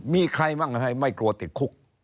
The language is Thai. มีใครบ้างไม่กลัวติดคุก